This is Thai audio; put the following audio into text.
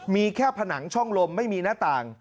มีแค่ผนังช่องลมไม่มีหน้าต่าง